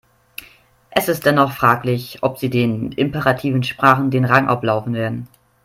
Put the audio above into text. Es ist dennoch fraglich, ob sie den imperativen Sprachen den Rang ablaufen werden.